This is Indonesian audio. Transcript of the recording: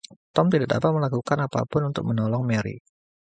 Tom tidak dapat melakukan apapun untuk menolong Mary.